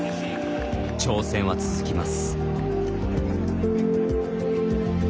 挑戦は続きます。